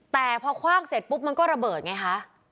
แต่พอคว่างเสร็จปุ๊บมันก็ระเบิดไงคะ